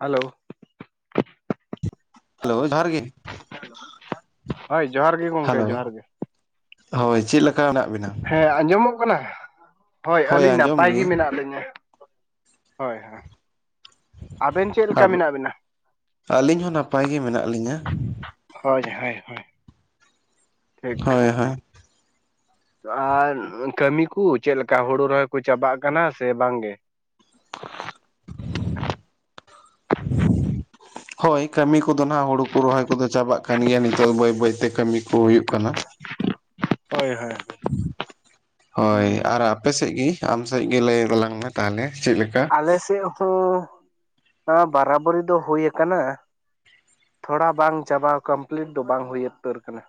Hello hello ᱡᱚᱦᱟᱨ ᱜᱮ ᱦᱳᱭ ᱡᱚᱦᱟᱨ ᱜᱮ ᱦᱮᱞᱳ ᱜᱚᱢᱠᱮ ᱡᱚᱦᱟᱨ ᱜᱮ ᱦᱳᱭ ᱪᱮᱫ ᱞᱮᱠᱟ ᱦᱮᱱᱟᱜ ᱵᱤᱱᱟ? ᱦᱮᱸ ᱟᱸᱡᱚᱢᱚᱜ ᱠᱟᱱᱟ ᱦᱳᱭ ᱟᱹᱞᱤᱧ ᱱᱟᱯᱟᱭ ᱜᱮ ᱢᱮᱱᱟᱜ ᱞᱤᱧᱟᱹ ᱦᱳᱭ ᱦᱳᱭ ᱟᱵᱮᱱ ᱪᱮᱫ ᱞᱮᱠᱟ ᱢᱮᱱᱟᱜ ᱵᱮᱱᱟ ᱟᱹᱞᱤᱧ ᱦᱚᱸ ᱱᱟᱯᱟᱭ ᱜᱮ ᱢᱮᱱᱟᱜ ᱞᱤᱧᱟᱹ ᱦᱳᱭ ᱦᱳᱭ ᱦᱳᱭ ᱴᱷᱤᱠ ᱦᱳᱭ ᱦᱳᱭ ᱟᱨ ᱠᱟᱹᱢᱤ ᱠᱚ ᱪᱮᱫ ᱞᱮᱠᱟ ᱦᱩᱲᱩ ᱨᱚᱦᱚᱭ ᱠᱚ ᱪᱟᱵᱟᱜ ᱠᱟᱱᱟ ᱥᱮ ᱵᱟᱝ ᱜᱮ [unintelligible] ᱦᱳᱭ ᱠᱟᱹᱢᱤ ᱠᱚᱫᱚ ᱱᱟᱦᱟᱜ ᱦᱳᱲᱩ ᱠᱚ ᱨᱚᱦᱚᱭ ᱠᱚᱫᱚ ᱪᱟᱵᱟᱜ ᱠᱟᱱ ᱜᱮᱭᱟ ᱱᱤᱛᱚᱜ ᱵᱟᱹᱭ ᱵᱟᱹᱭᱛᱮ ᱠᱟᱹᱢᱤ ᱠᱚ ᱦᱩᱭᱩᱜ ᱠᱟᱱᱟ ᱦᱳᱭ ᱦᱳᱭ ᱦᱳᱭ ᱦᱩᱸ ᱟᱨ ᱟᱯᱮ ᱥᱮᱫ ᱜᱮ ᱟᱢ ᱥᱮᱫ ᱜᱮ ᱞᱟᱹᱭ ᱛᱞᱟᱝ ᱢᱮ ᱛᱟᱦᱞᱮ ᱪᱮᱫᱞᱮᱠᱟ ᱟᱞᱮ ᱥᱮᱫ ᱦᱚᱸ ᱱᱚᱣᱟ ᱵᱟᱨᱟᱵᱚᱨᱤ ᱫᱚ ᱦᱩᱭᱩ ᱟᱠᱟᱱᱟ ᱛᱷᱚᱲᱟ ᱵᱟᱝ ᱪᱟᱵᱟᱣ ᱠᱚᱢᱯᱞᱤᱴ ᱫᱚ ᱵᱟᱝ ᱦᱩᱭ ᱩᱛᱟᱹᱨ ᱠᱟᱱᱟ᱾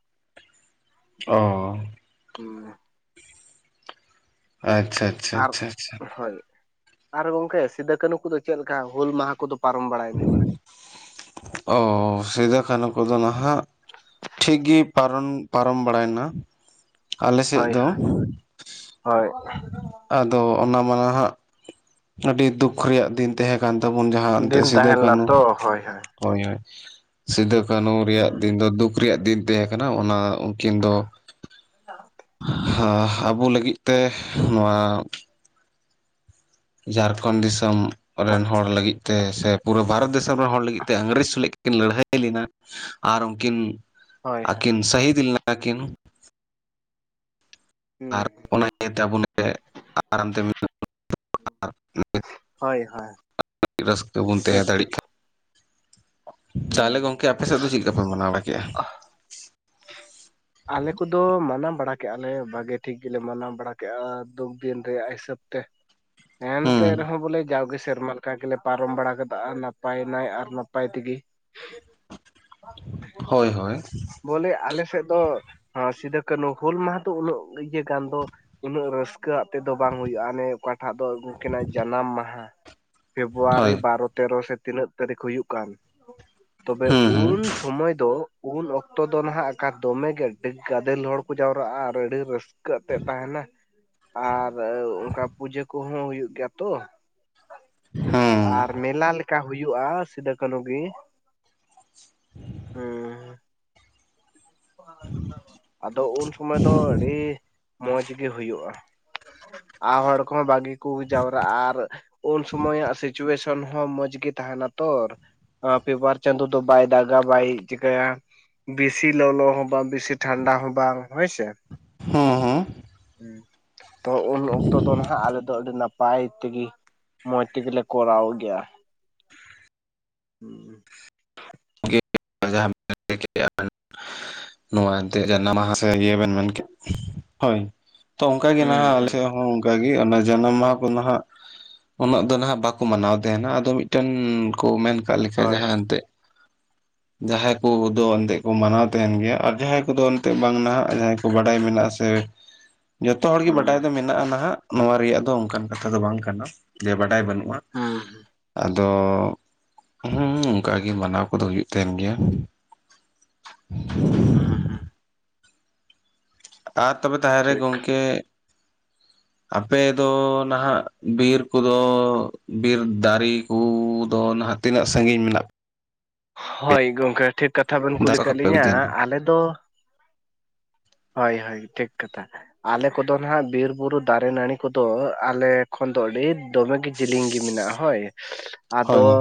ᱚ ᱦᱩᱸ ᱟᱪᱷᱟ ᱟᱪᱷᱟ ᱟᱨ ᱦᱳᱭ ᱟᱨ ᱜᱚᱝᱠᱮ ᱥᱤᱸᱫᱩ ᱠᱟᱹᱱᱦᱩ ᱠᱚᱫᱚ ᱪᱮᱫᱮ ᱞᱮᱠᱟ ᱦᱩᱞ ᱢᱟᱦᱟ ᱠᱚᱫᱚ ᱯᱟᱨᱚᱢ ᱵᱟᱲᱟᱭᱱᱟ? ᱚ ᱥᱤᱫᱚ-ᱠᱟᱱᱦᱩ ᱠᱚ ᱠᱚᱫᱚ ᱱᱟᱦᱟᱜ ᱴᱷᱤᱠ ᱜᱮ ᱯᱟᱨᱚᱢ ᱯᱟᱨᱚᱢ ᱵᱟᱲᱟᱭᱮᱱᱟ᱾ ᱟᱞᱮ ᱥᱮᱫ ᱦᱳᱭ ᱫᱚ ᱦᱳᱭ ᱦᱳᱭ ᱟᱫᱚ ᱚᱱᱟ ᱢᱟᱟᱱᱟ ᱦᱟᱸᱟᱜ ᱟᱹᱰᱤ ᱫᱩᱠ ᱨᱮᱭᱟᱜ ᱫᱤᱱ ᱛᱟᱦᱮᱸ ᱠᱟᱱ ᱛᱟᱵᱚᱱ ᱡᱟᱦᱟᱸ ᱮᱱᱛᱮ ᱫᱤᱱ ᱥᱤᱫᱩ ᱛᱟᱦᱮᱸ ᱞᱮᱱᱟ ᱠᱟᱹᱱᱩ ᱛᱚ ᱦᱳᱭ ᱦᱳᱭ ᱦᱳᱭ ᱦᱳᱭ ᱥᱤᱫᱩ ᱠᱟᱹᱱᱦᱩ ᱦᱩᱸ᱾ ᱨᱮᱭᱟᱜ ᱫᱤᱱ ᱫᱚ ᱫᱩᱠ ᱨᱮᱭᱟᱜ ᱫᱤᱱ ᱛᱟᱦᱮᱸ ᱠᱟᱱᱟ ᱚᱱᱟ ᱩᱱᱠᱤᱱ ᱫᱚ ᱚᱱᱟ ᱟᱵᱚ ᱞᱟᱹᱜᱤᱫ ᱛᱮ ᱱᱚᱣᱟ ᱡᱷᱟᱲᱠᱷᱚᱸᱰ ᱫᱤᱥᱚᱢ ᱦᱚᱜ ᱨᱮᱱ ᱦᱚᱲ ᱞᱟᱹᱜᱤᱫ ᱛᱮ ᱥᱮ ᱯᱩᱨᱟᱹ ᱵᱷᱟᱨᱚᱛ ᱫᱤᱥᱚᱢ ᱨᱮᱱ ᱦᱚᱲ ᱞᱟᱹᱜᱤᱫ ᱛᱮ ᱤᱝᱨᱮᱹᱡᱽ ᱥᱞ ᱠᱟᱱᱟ ᱠᱤᱱ ᱞᱟᱹᱲᱦᱟᱹᱭ ᱞᱮᱱᱟ ᱟᱨ ᱩᱱᱠᱤᱱ ᱦᱳᱭ ᱦᱳᱭ ᱟᱹᱠᱤᱱ ᱥᱟᱹᱦᱤᱫ ᱞᱮᱱᱟ ᱠᱤᱱ ᱦᱩᱸ ᱟᱨ ᱚᱱᱟ ᱤᱭᱟᱹᱛᱮ ᱟᱵᱚᱮ ᱟᱨᱟᱢ ᱛᱮ ᱦᱳᱭ ᱦᱳᱭ ᱨᱟᱹᱥᱠᱟᱹ ᱵᱚᱱ ᱴᱷᱤᱠ ᱛᱟᱦᱮᱸ ᱴᱷᱤᱠ ᱫᱟᱲᱮᱟᱜ ᱠᱟᱱᱟ᱾ ᱦᱩᱸ ᱛᱟᱦᱚᱞᱮ ᱜᱚᱝᱠᱮ ᱟᱯᱮ ᱥᱮᱫ ᱫᱚ ᱪᱮᱫᱞᱮ ᱞᱮᱠᱟᱯᱮ ᱢᱟᱱᱟᱣ ᱵᱟᱲᱟ ᱠᱮᱜᱼᱟ? ᱟᱞᱮ ᱠᱚᱫᱚ ᱢᱟᱱᱟᱣ ᱵᱟᱲᱟ ᱠᱼᱟ ᱞᱮᱮ ᱵᱷᱟᱜᱮ ᱴᱷᱤᱠ ᱜᱮᱞᱮ ᱢᱟᱱᱟᱣ ᱵᱟᱲᱟ ᱠᱼᱟ ᱫᱩᱠ ᱫᱤᱱ ᱨᱮᱭᱟᱜ ᱦᱤᱥᱟᱹᱵ ᱛᱮ ᱮᱱᱛᱮ ᱦᱩᱸ ᱨᱮᱦᱚᱸ ᱵᱚᱞᱮ ᱡᱟᱣᱜᱮ ᱥᱮᱨᱢᱟ ᱚᱱᱠᱟ ᱜᱮᱞᱮ ᱯᱟᱨᱚᱢ ᱵᱟᱲᱟ ᱠᱟᱫᱟ ᱱᱟᱯᱟᱭᱱᱟᱭ ᱟᱨ ᱱᱟᱯᱟᱭ ᱛᱮᱜᱮ ᱦᱳᱭ ᱦᱳᱭ ᱵᱚᱞᱮ ᱟᱞᱮ ᱥᱮᱫ ᱫᱚ ᱥᱤᱫᱩ ᱠᱟᱹᱱᱦᱩ ᱦᱩᱞ ᱢᱟᱦᱟ ᱫᱚ ᱩᱱᱟᱹᱜ ᱤᱭᱟᱹ ᱜᱟᱱ ᱫᱚ ᱩᱱᱟᱹᱜ ᱨᱟᱹᱥᱠᱟᱹᱣᱟᱜ ᱛᱮᱫᱚ ᱵᱟᱝ ᱦᱩᱭᱩᱜᱼᱟ ᱚᱱᱮ ᱚᱠᱟᱴᱟᱜ ᱫᱚ ᱩᱱᱠᱤᱱᱟᱜ ᱡᱟᱱᱟᱢ ᱢᱟᱦᱟ ᱯᱷᱮᱵᱨᱩᱣᱟᱨᱤ ᱦᱳᱭ ᱵᱟᱨ ᱛᱮᱨᱚ ᱥᱮ ᱛᱤᱱᱟᱹᱜ ᱛᱟᱹᱨᱤᱠᱷ ᱦᱩᱭᱩᱜ ᱠᱟᱱ ᱛᱚᱵᱮ ᱦᱩᱸ ᱩᱱ ᱥᱚᱢᱚᱭ ᱫᱚ ᱩᱱ ᱚᱠᱛᱚ ᱚᱠᱛᱚ ᱫᱚ ᱱᱟᱦᱟᱜ ᱚᱠᱟ ᱫᱚᱢᱮᱜ ᱜᱮ ᱟᱹᱰᱤ ᱜᱟᱫᱮᱞ ᱦᱚᱲ ᱠᱚ ᱡᱟᱣᱨᱟᱜᱼᱟ ᱟᱨ ᱟᱹᱰᱤ ᱨᱟᱹᱥᱠᱟᱹ ᱟ ᱛᱮᱜ ᱛᱟᱦᱮᱱᱟ ᱟᱨ ᱚᱱᱠᱟ ᱯᱩᱡᱟᱹ ᱠᱚᱦᱚᱸ ᱦᱩᱭᱩᱜ ᱜᱮᱭᱟ ᱛᱚ᱾ ᱦᱩᱸ ᱟᱨ ᱢᱮᱞᱟ ᱞᱮᱠᱟ ᱦᱩᱭᱩᱜᱼᱟ ᱥᱤᱫᱩ ᱠᱟᱹᱱᱦᱩ ᱜᱮ ᱦᱮᱸ ᱟᱫᱚ ᱩᱱ ᱥᱚᱢᱚᱭ ᱫᱚ ᱟᱹᱰᱤ ᱢᱚᱸᱡᱽ ᱜᱮ ᱦᱩᱭᱩᱜᱼᱟ᱾ ᱟᱨ ᱦᱚᱲ ᱠᱚᱦᱚᱸ ᱵᱷᱟᱜᱤ ᱠᱚ ᱡᱟᱣᱨᱟᱜᱼᱟ ᱟᱨ ᱩᱱ ᱥᱚᱢᱚᱭᱟᱜ ᱥᱤᱪᱩᱭᱮᱥᱚᱱ ᱦᱚᱸ ᱢᱚᱸᱡᱽ ᱜᱮᱤ ᱛᱟᱦᱮᱱᱟ ᱛᱚᱨ [unintelligible] ᱦᱟᱯᱮ ᱵᱟᱨ ᱪᱟᱸᱫᱳ ᱫᱚ ᱵᱟᱭ ᱫᱟᱜᱟ ᱵᱟᱭ ᱪᱤᱠᱟᱹᱭᱟ ᱵᱮᱥᱤ ᱞᱚᱞᱚ ᱦᱚᱸ ᱵᱟᱝ ᱵᱮᱥᱤ ᱴᱷᱟᱱᱰᱟ ᱦᱚᱸ ᱵᱟᱝ ᱦᱳᱭᱥᱮ? ᱦᱩᱸ ᱦᱩᱸ᱾ ᱦᱩᱸ ᱛᱚ ᱩᱱ ᱚᱠᱛᱚ ᱫᱚ ᱱᱟᱦᱱᱟᱜ ᱟᱞᱮ ᱫᱚ ᱟᱹᱰᱤ ᱱᱟᱯᱟᱭ ᱛᱮᱜᱤ ᱢᱚᱸᱡᱽ ᱛᱮᱜᱮ ᱞᱮ ᱠᱚᱨᱟᱣ ᱜᱮᱭᱟ᱾ ᱦᱩᱸ ᱟᱹᱭ ᱱᱚᱣᱟ ᱮᱱᱛᱮ ᱡᱟᱱᱟᱢᱟᱦ ᱤᱭᱟᱹ ᱵᱮᱱ ᱦᱳᱭ ᱢᱮᱱ ᱠᱮᱫ ᱦᱳᱭ ᱛᱚ ᱚᱱᱠᱟ ᱜᱮ ᱦᱩᱸ ᱱᱟᱦᱟᱜ ᱟᱞᱮ ᱦᱩᱸ ᱥᱮᱫ ᱦᱚᱸ ᱚᱱᱠᱟᱟᱜ ᱚᱱᱟ ᱡᱟᱱᱟᱢ ᱢᱟᱦᱟ ᱠᱚᱫᱚ ᱦᱜ ᱩᱱᱟᱹᱜ ᱫᱚ ᱱᱟᱟᱜ ᱵᱟᱠᱚ ᱢᱟᱱᱟᱣ ᱛᱟᱦᱮᱱᱟ ᱟᱫᱚ ᱢᱤᱫᱴᱮᱱ ᱠᱚ ᱢᱮᱱ ᱠᱟᱜ ᱞᱮᱠᱟ ᱦᱳᱭ ᱡᱟᱦᱟᱸ ᱮᱱᱛᱮᱫ ᱡᱟᱦᱟᱸᱭ ᱠᱚᱫᱚ ᱮᱱᱛᱮᱜ ᱠᱚ ᱢᱟᱱᱟᱣ ᱛᱟᱦᱮᱱ ᱜᱮᱭᱟ ᱟᱨ ᱡᱟᱦᱟᱸᱭ ᱠᱚᱫᱚ ᱮᱱᱛᱮ ᱵᱟᱝᱦᱟᱜ ᱡᱟᱦᱟᱸᱭ ᱠᱚ ᱵᱟᱰᱟᱭ ᱢᱮᱱᱟᱜᱼᱟ ᱥᱮ [inaudible] ᱡᱚᱛᱚ ᱦᱚᱲᱜᱤ ᱵᱟᱰᱟᱭ ᱦᱩᱸ ᱫᱚ ᱢᱮᱱᱟᱜᱼᱟ ᱱᱟᱦᱟᱜ ᱱᱚᱣᱟ ᱨᱮᱭᱟᱜ ᱫᱚ ᱚᱱᱠᱟᱱ ᱠᱟᱛᱷᱟ ᱫᱚ ᱵᱟᱝ ᱠᱟᱱᱟ ᱡᱮ ᱵᱟᱰᱟᱭ ᱵᱟᱹᱱᱩᱜᱼᱟ᱾ ᱦᱮᱸ ᱦᱮᱸ ᱟᱫᱚ ᱦᱩᱸ ᱚᱱᱠᱟᱜᱤ ᱢᱟᱱᱟᱣ ᱠᱚᱫᱚ ᱦᱩᱭᱩᱜᱼᱟ᱾ ᱛᱟᱦᱮᱱ ᱜᱮᱭᱟ᱾ ᱩᱸ ᱦᱮᱸ ᱟᱨ ᱛᱚᱵᱮ ᱛᱟᱦᱮᱸ ᱨᱮ ᱴᱷᱤᱠ ᱜᱚᱢᱠᱮ ᱟᱯᱮᱫᱚ ᱱᱟᱦᱟᱜ ᱵᱤᱨ ᱠᱚᱫᱚ ᱵᱤᱨ ᱫᱟᱨᱮ ᱠᱩᱫᱚ ᱱᱟᱦᱟᱜ ᱛᱤᱱᱟᱹᱜ ᱥᱟᱺᱜᱤᱧ ᱢᱮᱱᱟᱜ ᱦᱳᱭ ᱜᱚᱝᱠᱮ ᱴᱷᱤᱠ ᱠᱟᱛᱷᱟ ᱵᱮᱱ ᱠᱩᱞᱤ ᱫᱟᱠᱟ ᱠᱟᱫ ᱠᱚᱯᱮ ᱟᱹᱜᱩᱭ ᱞᱤᱧᱟᱹ ᱜᱮᱭᱟ ᱱᱟᱝ? ᱟᱞᱮ ᱫᱚ ᱦᱳᱭ ᱦᱳᱭ ᱴᱷᱤᱠ ᱠᱟᱛᱷᱟ᱾ ᱟᱞᱮ ᱠᱚᱫᱚ ᱱᱟᱦᱟᱜ ᱵᱤᱨ ᱵᱩᱨᱩ ᱫᱟᱨᱮ ᱱᱟᱹᱲᱤ ᱠᱚᱫᱚ ᱟᱞᱮ ᱠᱷᱚᱱ ᱫᱚ ᱟᱹᱰᱤ ᱫᱚᱢᱮᱜ ᱜᱤ ᱡᱤᱞᱤᱧ ᱜᱤ ᱢᱮᱱᱟᱜᱼᱟ ᱦᱳᱭ, ᱟᱫᱚ ᱦᱳᱭ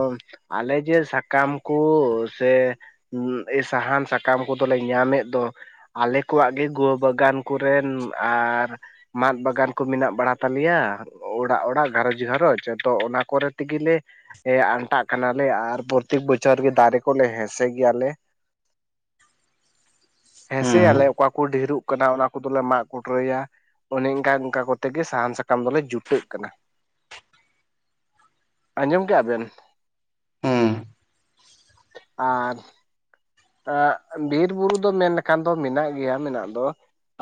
ᱟᱞᱮ ᱡᱮ ᱥᱟᱠᱟᱢ ᱠᱩ ᱥᱮ ᱩᱸᱜ ᱥᱟᱦᱟᱱ ᱥᱟᱠᱟᱢ ᱠᱚᱫᱚᱞᱮ ᱧᱟᱢ ᱮᱫ ᱫᱚ ᱟᱞᱮ ᱠᱚᱣᱟᱜ ᱜᱮ ᱜᱚ ᱵᱟᱜᱟᱱ ᱠᱚᱨᱮᱱ ᱟᱨ ᱢᱟᱫ ᱵᱟᱜᱟᱱ ᱠᱚ ᱢᱮᱱᱟᱜ ᱵᱟᱲᱟ ᱛᱟᱞᱮᱭᱟ᱾ ᱚᱲᱟᱜ ᱚᱲᱟᱜ ᱜᱷᱟᱨᱚᱸᱡᱽ ᱜᱷᱟᱨᱚᱸᱡᱽ ᱛᱚ ᱚᱱᱟ ᱠᱚᱨᱮ ᱛᱤᱜᱮᱞᱮ ᱮ ᱟᱱᱴᱟᱜ ᱠᱟᱱᱟᱞᱮ ᱟᱨ ᱯᱨᱚᱛᱤ ᱵᱚᱪᱷᱚᱨ ᱜᱮ ᱫᱟᱨᱮ ᱠᱚᱞᱮ ᱦᱮᱸᱥᱮ [unintelligible] ᱜᱮᱭᱟᱞᱮ᱾ ᱦᱮᱸ ᱥᱮ ᱟᱞᱮ, ᱦᱩᱸ ᱚᱠᱟ ᱠᱚ ᱰᱷᱮᱨᱳᱜ ᱠᱟᱱᱟ ᱚᱱᱟ ᱠᱚᱫᱚ ᱞᱮ ᱢᱟᱜ ᱠᱩᱴᱨᱟᱹᱭᱟ᱾ ᱚᱱᱮ ᱚᱱᱠᱟᱼᱚᱱᱠᱟ ᱠᱚᱛᱮ ᱜᱮ ᱥᱟᱦᱟᱱ ᱥᱟᱠᱟᱢ ᱫᱚᱞᱮ ᱡᱩᱴᱟᱹᱜ ᱠᱟᱱᱟ᱾ ᱟᱸᱡᱚᱢ ᱠᱮᱫᱼᱟ ᱵᱮᱱ? ᱦᱩᱸᱢ ᱟᱨ ᱮᱸᱜ ᱵᱤᱨ ᱵᱩᱨᱩ ᱫᱚ ᱢᱮᱱ ᱞᱮᱠᱷᱟᱱ ᱫᱚ ᱢᱮᱱᱟᱜ ᱜᱮᱭᱟ ᱢᱮᱱᱟᱜ ᱫᱚ,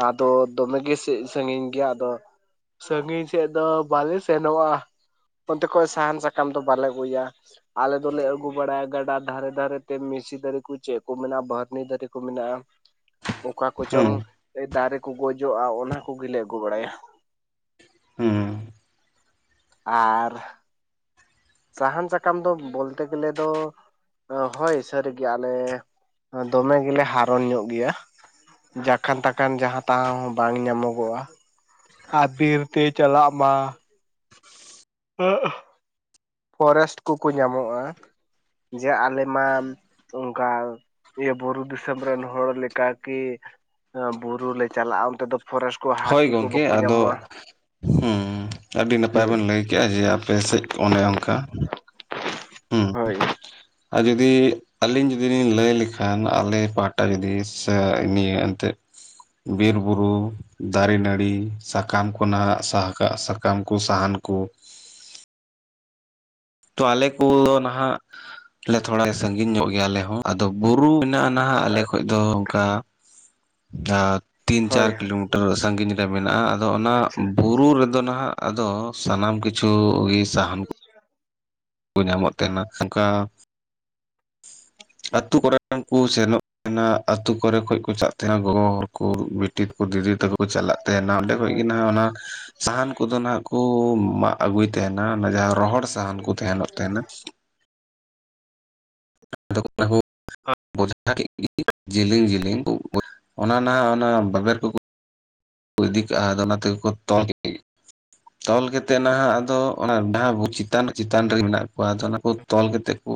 ᱟᱫᱚ ᱫᱚᱢᱮ ᱜᱮ ᱥᱮ ᱥᱟᱺᱜᱤᱧ ᱜᱮᱭᱟ ᱟᱫᱚ, ᱥᱟᱺᱜᱤᱧ ᱥᱮᱫ ᱫᱚ ᱵᱟᱞᱮ ᱥᱮᱱᱚᱜᱼᱟ ᱚᱱᱛᱮ ᱠᱷᱚᱡ ᱥᱟᱦᱟᱱ ᱥᱟᱠᱟᱢ ᱫᱚ ᱵᱟᱞᱮ ᱟᱹᱜᱩᱭᱟ᱾ ᱟᱞᱮ ᱫᱚᱞᱮ ᱟᱹᱜᱩ ᱵᱟᱲᱟᱭᱟ ᱜᱟᱰᱟ ᱫᱷᱟᱨᱮ ᱫᱷᱟᱨᱮ ᱛᱮ ᱢᱤᱥᱤ ᱫᱟᱨᱮ ᱠᱩᱪᱟᱹᱫ᱾ ᱠᱚ ᱢᱮᱱᱟᱜᱼᱟ ᱵᱟᱹᱨᱱᱤ [unintelligible] ᱫᱟᱨᱮ ᱠᱚ ᱢᱮᱱᱟᱜᱼᱟ ᱚᱠᱟ ᱦᱩᱸ ᱠᱚᱪᱚᱝ ᱫᱟᱨᱮ ᱠᱚ ᱜᱚᱡᱚᱜᱼᱟ ᱚᱱᱟ ᱠᱚᱜᱮᱞᱮ ᱟᱹᱜᱩ ᱵᱟᱲᱟᱭᱟ᱾ ᱦᱩᱸ ᱟᱨ ᱥᱟᱦᱟᱱ ᱥᱟᱠᱟᱢ ᱫᱚ ᱵᱚᱞᱛᱮ ᱜᱮᱞᱮ ᱫᱚ ᱦᱳᱭ ᱥᱟᱹᱨᱤ ᱜᱮ ᱟᱞᱮ ᱫᱚᱢᱮ ᱜᱮᱞᱮ ᱦᱟᱨᱚᱱ ᱧᱚᱜ ᱜᱮᱭᱟ᱾ ᱡᱟᱠᱷᱟᱱ ᱛᱟᱠᱷᱟᱱ ᱡᱟᱦᱟᱸ ᱛᱟᱦᱟᱸ ᱦᱚᱸ ᱵᱟᱝ ᱧᱟᱢᱚᱜᱚᱜᱼᱟ᱾ ᱟᱨ ᱵᱤᱨ ᱛᱮ ᱪᱟᱞᱟᱜ ᱢᱟ [unintelligible] ᱯᱷᱚᱨᱮᱥᱴ ᱠᱚᱠᱚ ᱧᱟᱢᱚᱜᱼᱟ ᱡᱮ ᱟᱞᱮ ᱢᱟ ᱚᱱᱠᱟ ᱤᱭᱟᱹ ᱵᱩᱨᱩ ᱫᱤᱥᱚᱢ ᱨᱮᱱ ᱦᱚᱲ ᱞᱮᱠᱟ ᱠᱤ ᱵᱩᱨᱩ ᱞᱮ ᱪᱟᱞᱟᱜᱼᱟ ᱚᱱᱛᱮ ᱫᱚ ᱯᱷᱚᱨᱮᱥᱴ ᱠᱚ ᱦᱳᱭ ᱦᱟᱹᱛᱤ ᱠᱚ ᱜᱚᱝᱠᱮ ᱵᱟᱠᱚ ᱟᱫᱚ ᱧᱟᱢᱚᱜᱼᱟ ᱦᱮᱸ ᱟᱹᱰᱤ ᱱᱟᱯᱟᱭ ᱦᱩᱸ ᱵᱮᱱ ᱞᱟᱹᱭ ᱠᱮᱜᱼᱟ ᱡᱮ ᱟᱯᱮ ᱥᱮᱫ ᱚᱱᱮ ᱚᱱᱠᱟ ᱦᱩᱸ ᱦᱳᱭ ᱟᱨ ᱡᱩᱫᱤ ᱟᱹᱞᱤᱧ ᱡᱩᱫᱤ ᱞᱤᱧ ᱞᱟᱹᱭ ᱞᱮᱠᱷᱟᱱ ᱟᱞᱮ ᱯᱟᱦᱴᱟ ᱡᱩᱫᱤ ᱥᱮ ᱱᱤᱭᱟᱹ ᱮᱱᱛᱮᱫ ᱵᱤᱨ ᱵᱩᱨᱩ ᱫᱟᱨᱮ ᱱᱟᱹᱲᱤ ᱥᱟᱠᱟᱢ ᱠᱚ ᱱᱟᱦᱟᱜ ᱥᱟᱦᱟ ᱠᱟᱜ ᱥᱟᱠᱟᱢ ᱠᱚ ᱥᱟᱦᱟᱱ ᱠᱚ, ᱛᱚ ᱟᱞᱮ ᱠᱩ ᱱᱟᱦᱟᱜ ᱛᱷᱚᱲᱟ ᱥᱟᱺᱜᱤᱧ ᱧᱚᱜ ᱜᱮᱭᱟ ᱟᱞᱮ ᱦᱚᱸ ᱟᱫᱚ ᱵᱩᱨᱩ ᱢᱮᱱᱟᱜᱼᱟ᱾ ᱱᱟᱦᱟᱜ ᱟᱞᱮ ᱦᱳᱭ ᱠᱷᱚᱡ ᱫᱚ ᱚᱱᱠᱟ ᱠᱮᱞᱟᱠ ᱛᱤᱱ ᱦᱳᱭ ᱪᱟᱨ ᱠᱤᱞᱳ ᱥᱟᱺᱜᱤᱧ ᱨᱮ ᱢᱮᱱᱟᱜᱼᱟ ᱟᱫᱚ ᱚᱱᱟ ᱟᱪᱪᱷᱟ ᱵᱩᱫ ᱵᱩᱨ [unintelligible] ᱨᱮᱫᱚ ᱱᱟᱦᱟᱜ ᱟᱫᱚ ᱥᱟᱱᱟᱢ ᱠᱤᱪᱷᱩ ᱜᱮ ᱥᱟᱦᱟᱱ ᱦ [unintelligible] ᱠᱚ ᱧᱟᱢᱚᱜ ᱛᱟᱦᱮᱱᱟ [inaudible] [unintelligible] ᱟᱹᱛᱳ ᱠᱚᱨᱮᱱ ᱠᱚ ᱥᱮᱱᱚᱜ ᱛᱟᱦᱮᱱᱟ ᱟ. ᱛᱳ ᱠᱚᱨᱮ ᱠᱷᱚᱡ ᱠᱚ ᱪᱟᱞᱟᱜ ᱛᱟᱦᱮᱱᱟ ᱜᱚᱜᱚ ᱦᱚᱲ ᱠᱩ ᱵᱤᱴᱤ ᱛᱮᱠᱚ ᱫᱤᱫᱤ ᱛᱟᱠᱚ ᱪᱟᱞᱟᱜ ᱛᱟᱦᱮᱱᱟ ᱚᱸᱰᱮ ᱠᱷᱚᱡ ᱦᱳᱭ ᱜᱮ ᱱᱟᱜ ᱚᱱᱟ ᱥᱟᱦᱟᱱ ᱠᱚᱫᱚ ᱱᱟᱜ ᱠᱩ ᱢᱟᱜ ᱟᱹᱜᱩᱭ ᱛᱟᱦᱮᱱᱟ ᱚᱱᱟ ᱡᱟᱦᱟᱸ ᱨᱚᱦᱚᱲ ᱦᱩ ᱥᱟᱦᱟᱱ ᱠᱚ ᱛᱟᱦᱮᱱᱚᱜ ᱛᱟᱦᱮᱱᱟ ᱦ [inaudible] ᱟᱫᱚᱵᱚ [unintelligible] ᱷᱟ [unintelligible] ᱠᱮᱫ ᱡᱮᱞᱮᱧ ᱡᱮᱞᱮᱧ ᱠᱚ ᱚᱱᱟ ᱱᱟ ᱵᱟᱜᱮᱨ ᱠᱚᱠᱚ [unintelligible] ᱵᱟᱭ ᱤᱫᱤ ᱠᱟᱜ ᱟᱫᱚ ᱚᱱᱟ ᱛᱮᱜᱮᱠᱚ ᱛᱚᱞ ᱠᱮᱫ ᱛᱚᱞ ᱠᱟᱛᱮᱫ ᱱᱟᱦᱟᱜ ᱟᱫᱚ ᱚᱱᱟ ᱰᱟᱦᱟ ᱵᱚ ᱪᱮᱛᱟᱱ ᱪᱮᱛᱟᱱ ᱨᱮ ᱢᱮᱱᱟᱜ ᱠᱚᱣᱟ ᱛᱚ ᱚᱱᱟ ᱠᱚ ᱛᱚᱞ ᱠᱟᱛᱮᱜ ᱠᱩ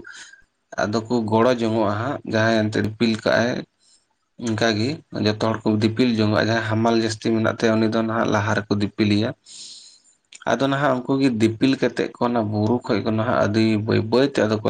ᱟᱫᱚ ᱠᱚ ᱜᱚᱲᱚ ᱡᱚᱝ ᱚᱜᱼᱟ ᱦᱟᱸᱜ ᱡᱟᱦᱟᱸᱭ ᱮᱱᱛᱮᱫ ᱫᱤᱯᱤᱞ ᱠᱟᱜ ᱟᱭ ᱚᱱᱠᱟ ᱜᱤ ᱡᱚᱛᱚ ᱦᱚᱲ ᱠᱚ ᱫᱤᱯᱤᱞ ᱡᱚᱝ ᱟ ᱡᱟᱦᱟᱸᱭ ᱦᱟᱢᱟᱞ ᱡᱟᱹᱥᱛᱤ ᱢᱮᱱᱟᱜ ᱛᱟᱭᱟ ᱩᱱᱤ ᱫᱚ ᱱᱟᱦᱟᱜ ᱞᱟᱦᱟ ᱨᱮᱠᱚ ᱫᱤᱯᱤᱞ ᱫᱤᱯᱤᱞᱤᱭᱟ [unintelligible] ᱟᱫᱚ ᱱᱟᱦᱟᱜ ᱩᱱᱠᱩ ᱜᱤ ᱫᱤᱯᱤᱞ ᱠᱟᱛᱮᱜ ᱠᱚ ᱱᱟᱜ ᱵᱩᱨᱩ ᱠᱷᱚᱡ ᱠᱚ ᱱᱟᱦᱟᱜ ᱟᱹᱰᱤ ᱵᱟᱹᱭ ᱵᱟᱹᱭᱛᱮ ᱟᱫᱚ ᱠᱚ